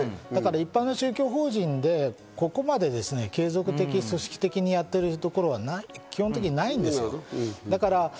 一般の宗教法人でここまで継続的、組織的にやってるところは基本的にないんですよ。